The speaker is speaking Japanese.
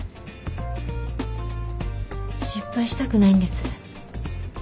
失敗したくないんです。